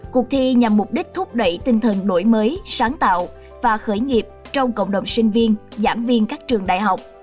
cuộc thi nhằm mục đích thúc đẩy tinh thần đổi mới sáng tạo và khởi nghiệp trong cộng đồng sinh viên giảm viên các trường đại học